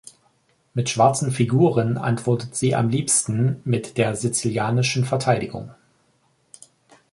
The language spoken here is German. Mit schwarzen Figuren antwortet sie am liebsten mit der Sizilianischen Verteidigung.